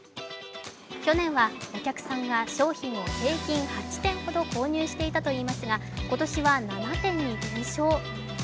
去年はお客さんが商品を平均８点ほど購入していたといいいますが今年は７点に減少。